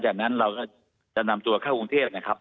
จากนั้นเราก็จะนำตัวเข้ากรุงเทพนะครับ